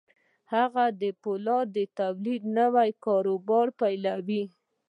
هغه د پولادو د تولید نوی کاروبار به پیلوي